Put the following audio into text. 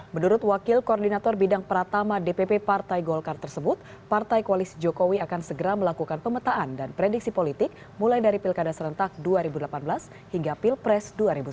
menurut wakil koordinator bidang pratama dpp partai golkar tersebut partai koalisi jokowi akan segera melakukan pemetaan dan prediksi politik mulai dari pilkada serentak dua ribu delapan belas hingga pilpres dua ribu sembilan belas